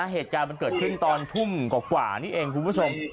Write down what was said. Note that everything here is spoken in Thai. เหตุการณ์มันเกิดขึ้นตอนทุ่มกว่านี่เองคุณผู้ชม